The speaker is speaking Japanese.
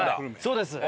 そうです。